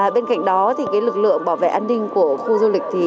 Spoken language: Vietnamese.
bên cạnh đó lực lượng bảo vệ an ninh của khu du lịch